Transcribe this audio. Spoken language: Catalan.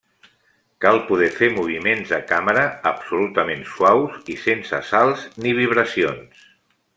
Cal poder fer moviments de càmera absolutament suaus i sense salts ni vibracions.